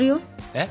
えっ？